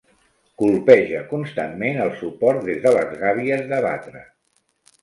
Colpeja constantment el suport des de les gàbies de batre.